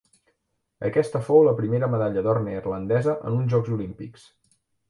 Aquesta fou la primera medalla d'or neerlandesa en uns Jocs Olímpics.